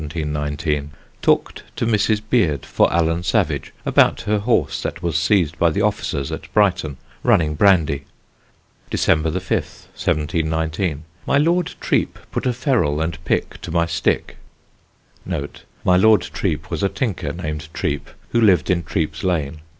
Talked to Mrs. Beard, for Allan Savage, about her horse that was seized by the officers at Brighton running brandy. "December 5th, 1719. My Lord Treep put a ferral and pick to my stick. [My Lord Treep was a tinker named Treep who lived in Treep's Lane.